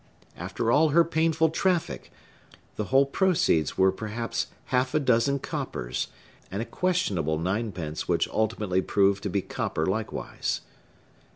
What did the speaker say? After all her painful traffic, the whole proceeds were perhaps half a dozen coppers, and a questionable ninepence which ultimately proved to be copper likewise.